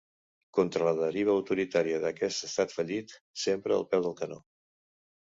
Contra la deriva autoritària d'aquest estat fallit, sempre al peu del canó.